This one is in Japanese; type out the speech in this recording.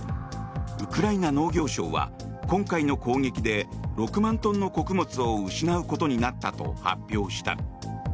ウクライナ農業相は今回の攻撃で６万トンの穀物を失うことになったと発表した。